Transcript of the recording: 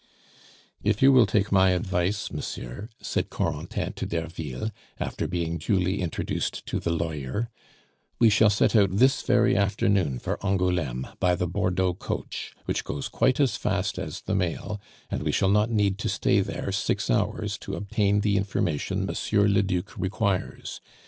"If you will take my advice, monsieur," said Corentin to Derville, after being duly introduced to the lawyer, "we shall set out this very afternoon for Angouleme by the Bordeaux coach, which goes quite as fast as the mail; and we shall not need to stay there six hours to obtain the information Monsieur le Duc requires.